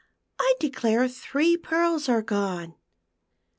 I declare three pearls are gone."